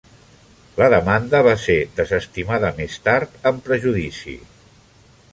La demanda va ser desestimada més tard amb prejudici.